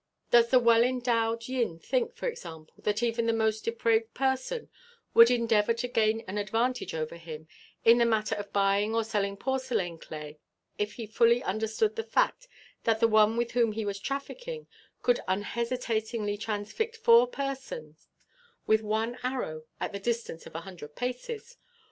Does the well endowed Yin think, for example, that even the most depraved person would endeavour to gain an advantage over him in the matter of buying or selling porcelain clay if he fully understood the fact that the one with whom he was trafficking could unhesitatingly transfix four persons with one arrow at the distance of a hundred paces?